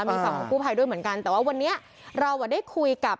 มีฝั่งของกู้ภัยด้วยเหมือนกันแต่ว่าวันนี้เราอ่ะได้คุยกับ